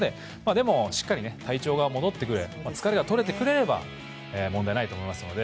でも、しっかり体調が戻ってきて疲れが取れてくれれば問題ないと思うので。